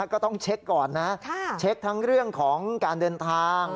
ก็ต้องเช็คก่อนนะเช็คทั้งเรื่องของการเดินทาง